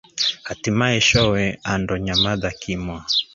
Hatimaye showe ando nyamadha kimwa